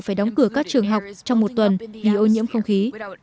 phải đóng cửa các trường học trong một tuần vì ô nhiễm không khí